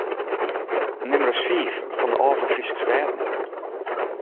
Neam ris fiif fan ’e alve Fryske stêden.